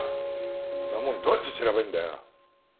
そんなもんどうやって調べるんだよ？